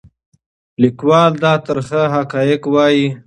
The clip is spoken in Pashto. لیکوال دا ترخه حقایق وایي.